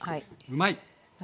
うまい！